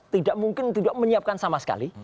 tidak mungkin tidak menyiapkan sama sekali